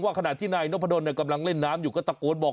ว่าขณะที่นายนกพะดอนเนี้ยกำลังเล่นน้ำอยู่ก็ตะโค้นบอก